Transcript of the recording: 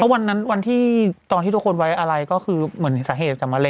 วันนั้นวันที่ตอนที่ทุกคนไว้อะไรก็คือเหมือนสาเหตุจากมะเร็